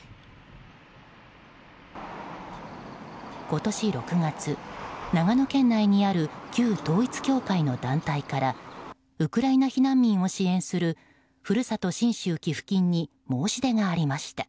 今年６月、長野県内にある旧統一教会の団体からウクライナ避難民を支援するふるさと信州寄付金に申し出がありました。